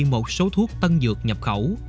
một số thuốc tân dược nhập khẩu